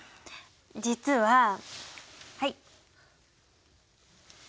実ははい。